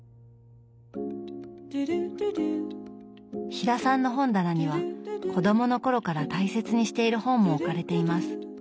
飛田さんの本棚には子供の頃から大切にしている本も置かれています。